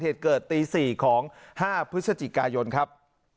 เหตุเกิดตี๔ของ๕พฤศจิกายนครับ